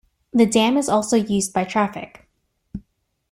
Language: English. The dam is also used by traffic.